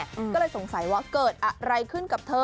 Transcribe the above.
ก็เลยสงสัยว่าเกิดอะไรขึ้นกับเธอ